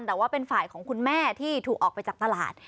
แต่ว่าเป็นฝ่ายของคุณแม่ที่ถูกออกไปจากตลาด